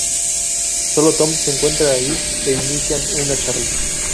Sólo Tom se encuentra ahí, e inician una charla.